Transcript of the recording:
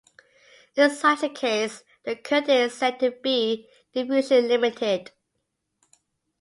In such a case, the current is said to be "diffusion limited".